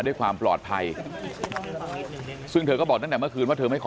ด้วยความปลอดภัยซึ่งเธอก็บอกตั้งแต่เมื่อคืนว่าเธอไม่ขอ